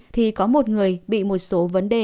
thì có một người bị một số vấn đề